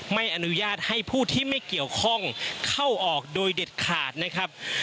ไม่อนุญาตให้ผู้ที่ไม่เกี่ยวข้องเข้าออกโดยเด็ดขาดนะครับ